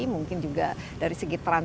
mungkin juga dari segi peran